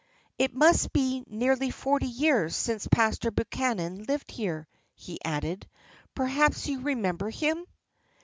"It must be nearly forty years since Pastor Buchman lived here," he added, "perhaps you remember him?"